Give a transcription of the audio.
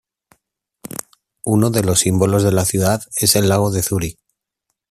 Uno de los símbolos de la ciudad es el lago de Zúrich.